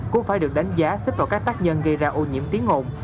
cũng phải được đánh giá xếp vào các tác nhân gây ra ô nhiễm tiếng ồn